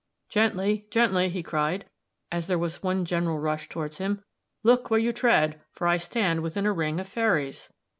"Gently, gently," he cried, as there was one general rush towards him; "look where you tread, for I stand within a ring of fairies!"